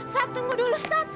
seth tunggu dulu seth